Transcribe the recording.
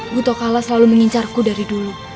butokala selalu mengincarku dari dulu